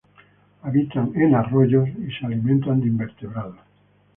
Habitan en arroyos y se alimentan de invertebrados.